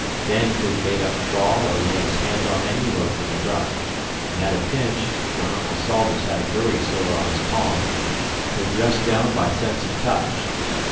Dan could bait up trawl or lay his hand on any rope in the dark; and at a pinch, when Uncle Salters had a gurry score on his palm, could dress down by sense of touch.